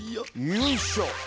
よいしょ。